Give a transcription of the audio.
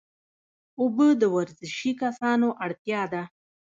اوبه د ورزشي کسانو اړتیا ده